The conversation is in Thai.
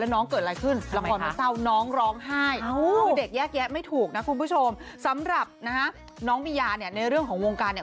น้องมียาเนี่ยในเรื่องของวงการเนี่ย